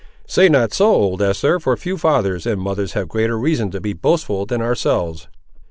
Say not so, old Eester, for few fathers and mothers have greater reason to be boastful than ourselves."